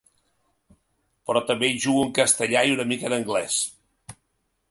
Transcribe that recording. Però també hi jugo en castellà i una mica en anglès.